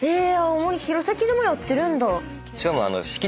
青森弘前でもやってるんだ。